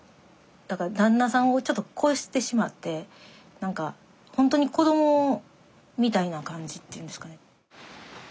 だから旦那さんをちょっと超してしまって何か本当に子どもみたいな感じっていうんですかね。